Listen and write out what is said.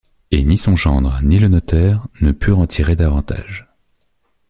Et ni son gendre, ni le notaire, ne purent en tirer davantage.